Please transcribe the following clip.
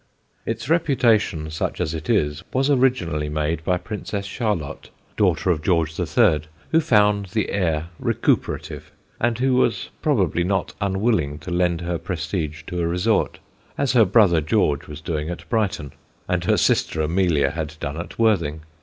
Its reputation, such as it is, was originally made by Princess Charlotte, daughter of George III., who found the air recuperative, and who was probably not unwilling to lend her prestige to a resort, as her brother George was doing at Brighton, and her sister Amelia had done at Worthing.